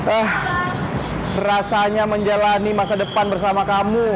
eh rasanya menjalani masa depan bersama kamu